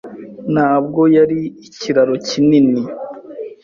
Ntabwo yari ikiraro kinini.